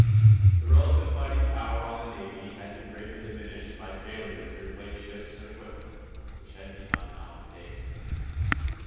The relative fighting power on the Navy had been greatly diminished by failure to replace ships and equipment, which had become out of date.